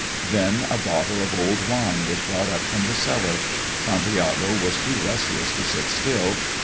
Then a bottle of old wine was brought up from the cellar. Santiago was too restless to sit still.